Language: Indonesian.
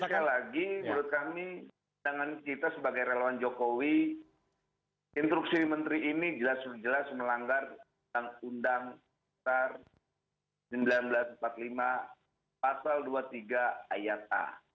jadi sekali lagi menurut kami dengan kita sebagai relawan jokowi instruksi menteri ini jelas jelas melanggar undang star seribu sembilan ratus empat puluh lima pasal dua puluh tiga ayat a